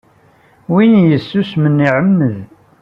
Win yessusmen, iɛemmed.